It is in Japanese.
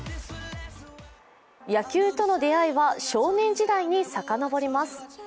野球との出会いは少年時代に遡ります。